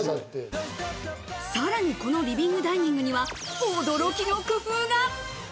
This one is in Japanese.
さらに、このリビングダイニングには驚きの工夫が。